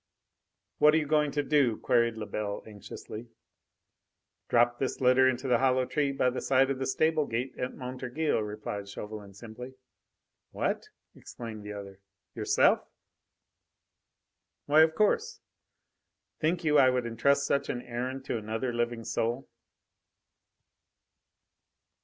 "What are you going to do?" queried Lebel anxiously. "Drop this letter into the hollow tree by the side of the stable gate at Montorgueil," replied Chauvelin simply. "What?" exclaimed the other. "Yourself?" "Why, of course! Think you I would entrust such an errand to another living soul?"